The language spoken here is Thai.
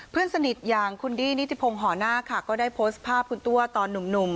เพื่อนสนิทอย่างคุณดี้นิติพงศ์หอหน้าค่ะก็ได้โพสต์ภาพคุณตัวตอนหนุ่ม